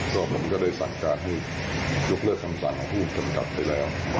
ก็ผมก็ได้สั่งการให้ยกเลิกคำสั่งของผู้กำกับไปแล้ว